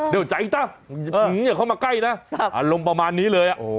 เดี๋ยวใจจ้ะอย่าเข้ามาใกล้นะอารมณ์ประมาณนี้เลย